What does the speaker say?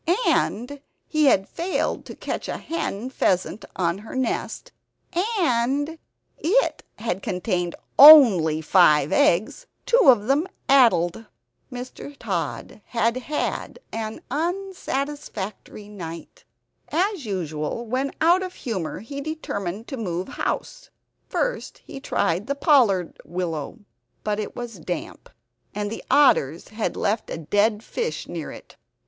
And he had failed to catch a hen pheasant on her nest; and it had contained only five eggs, two of them addled. Mr. Tod had had an unsatisfactory night. As usual, when out of humor, he determined to move house. First he tried the pollard willow, but it was damp; and the otters had left a dead fish near it. Mr.